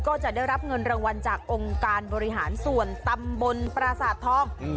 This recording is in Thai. ก็จะได้รับเงินรางวัลจากองค์การบริหารส่วนตำบลปราสาททอง